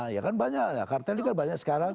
ya kan banyak kartel ini kan banyak sekarang